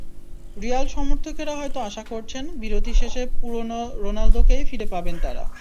Real সমর্থকেরা হয়তো আশা করছেন, বিরতি শেষে পুরোনো রোনালদোকেই পাবেন তাঁরা।